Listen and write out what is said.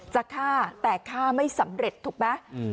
จะฆ่าแต่ฆ่าไม่สำเร็จถูกไหม